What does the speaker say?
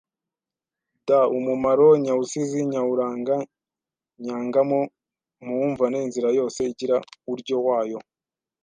d Umumaro nyausizi nyauranga/nyangamo Mu wumvane inzira yose igira uuryo wayo